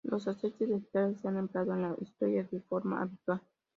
Los aceites vegetales se han empleado en la historia de forma habitual.